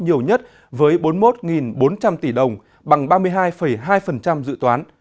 thuế thu nhập cá nhân đóng góp nhiều nhất với bốn mươi một bốn trăm linh tỷ đồng bằng ba mươi hai hai dự toán